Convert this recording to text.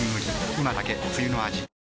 今だけ冬の味